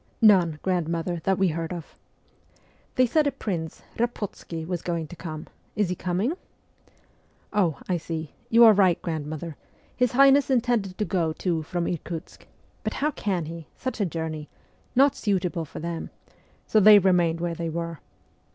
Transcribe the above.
'None, grandmother, that we heard of.' ' They said a prince, Rapotsky, was going to come. Is he coming ?'' Oh, I see. You are right, grandmother. His Highness intended to go, too, from Irkutsk. But how can he ? Such a journey ! Not suitable for them. So they remained where they were.'